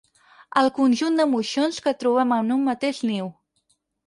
El conjunt de moixons que trobem en un mateix niu.